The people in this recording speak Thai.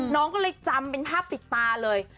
น้องก็เลยจำเป็นภาพติดตาเลย